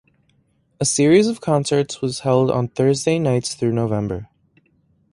A series of concerts was held on Thursday nights through November.